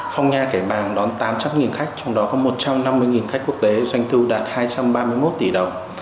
phong nha kẻ bàng đón tám trăm linh khách trong đó có một trăm năm mươi khách quốc tế doanh thu đạt hai trăm ba mươi một tỷ đồng